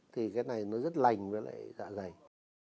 thì cái này nó rất lành với lại dạ dày